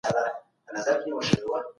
مراد د خبري اصلي هدف دی.